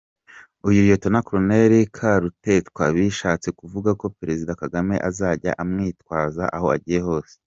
Uyu Lt Col Karuretwa bishatse kuvuga ko Perezida Kagame azajya amwitwaza aho agiye hose.